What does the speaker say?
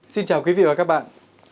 xin chào quý vị và các bạn